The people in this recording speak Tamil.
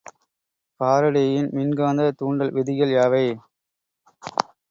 பாரடேயின் மின்காந்தத் தூண்டல் விதிகள் யாவை?